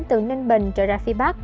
từ ninh bình trở ra phía bắc